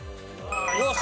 よし！